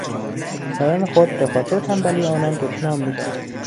به پسران خود به خاطر تنبلی آنان دشنام میداد.